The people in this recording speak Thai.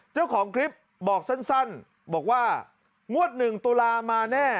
เจ้าของคลิปบอกสั้นบอกว่างวด๑ตุลามาแน่